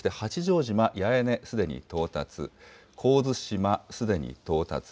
そして八丈島八重根、すでに到達、神津島、すでに到達。